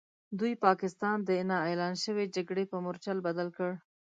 دوی پاکستان د نا اعلان شوې جګړې په مورچل بدل کړ.